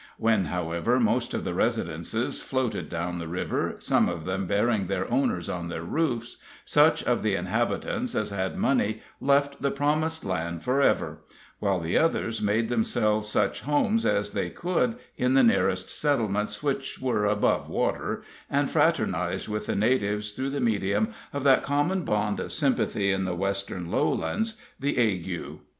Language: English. When, however, most of the residences floated down the river, some of them bearing their owners on their roofs, such of the inhabitants as had money left the promised land for ever; while the others made themselves such homes as they could in the nearest settlements which were above water, and fraternized with the natives through the medium of that common bond of sympathy in the Western lowlands, the ague.